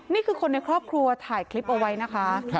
นี่คือคนในครอบครัวถ่ายคลิปเอาไว้นะคะ